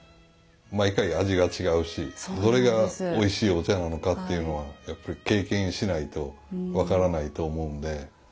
毎回味が違うしどれがおいしいお茶なのかっていうのはやっぱり経験しないと分からないと思うんで。